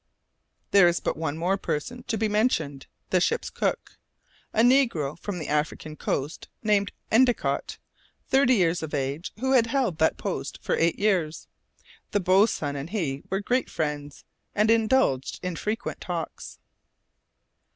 There is but one more person to be mentioned; the ship's cook a negro from the African coast named Endicott, thirty years of age, who had held that post for eight years. The boatswain and he were great friends, and indulged in frequent talks.